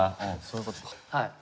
そういうことか。